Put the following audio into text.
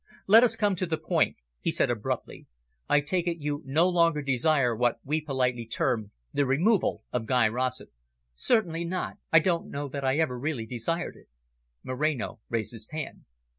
"Let us come to the point," he said abruptly. "I take it you no longer desire what we politely term the `removal' of Guy Rossett." "Certainly not. I don't know that I ever really desired it." Moreno raised his hand.